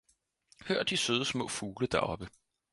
Hør de søde små fugle deroppe!